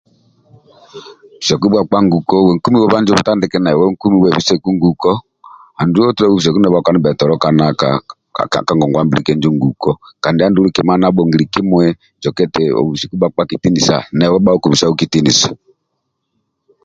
Bisaku bhakpa ndibhetolo nguko uwe nkumi otandike nawe nkumi webisku nguko andulu otodhe obhubiseku bhakpa ndibhetolo nguko ka ngongwa mbili kenjo nguko kandi andulu kima ndia abhongili kimui nawe bhakukubisaku kitinisa